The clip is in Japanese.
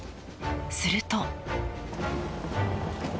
すると。